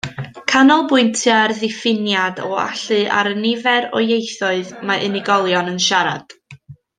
Canolbwyntia'r diffiniad o allu ar y nifer o ieithoedd mae unigolion yn siarad.